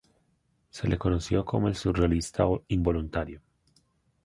Se le conoció como el "surrealista involuntario".